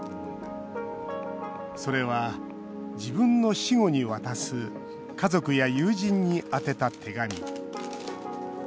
それは自分の死後に渡す家族や友人に宛てた手紙